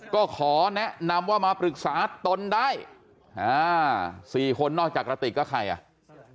ก็ขอแนะนำว่ามาปรึกษาตนได้อ่าสี่คนนอกจากกระติกก็ใครอ่ะ